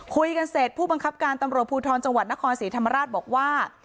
คุยกันเสร็จผู้บังคับการตำรวจภูทรจังหวัดนครศรีธรรมราชบอกว่า